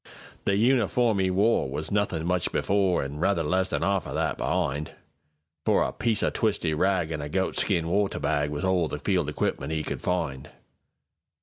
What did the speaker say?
The uniform 'e woreWas nothin' much before, An' rather less than 'arf o' that be'ind, For a twisty piece o' ragAn' a goatskin water bagWas all the field equipment 'e could find.